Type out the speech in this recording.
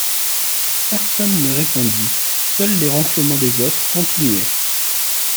Personne ne répondit, seuls les ronflements des autres continuaient.